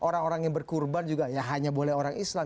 karena orang yang berkorban juga hanya boleh orang islam